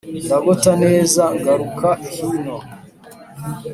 Ndagota neza ngaruka hino,